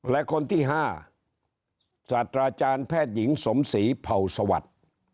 และคนที่๕ศาสตราจารย์แพทย์หญิงสมศรีเผ่าสวัสดิ์